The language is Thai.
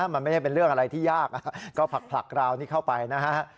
มันไม่ได้เป็นเรื่องอะไรที่ยากก็ผลักราวนี้เข้าไปนะฮะ